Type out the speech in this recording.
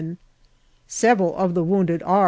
men. Several of the wounded are R.